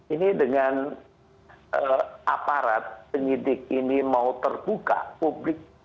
ini dengan aparat penyidik ini mau terbuka publik